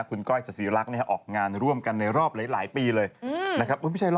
คืออย่างงี้คุณดอมนี่ขวงคุณก้อยพล